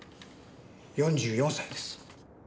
４４歳です。